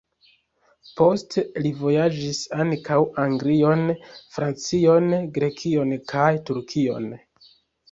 Poste li vojaĝis ankaŭ Anglion, Francion, Grekion kaj Turkion.